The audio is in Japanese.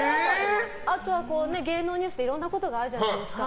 あとは芸能ニュースでいろんなことがあるじゃないですか。